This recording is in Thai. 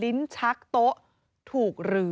ลิ้นชักโต๊ะถูกหรือ